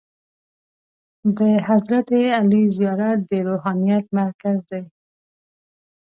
د حضرت علي زیارت د روحانیت مرکز دی.